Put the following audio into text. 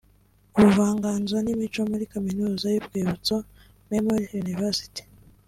ubuvanganzo n’imico muri Kaminuza y’Urwibutso (Memorial University)